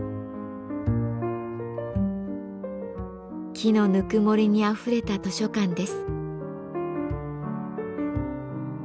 木のぬくもりにあふれた図書館です。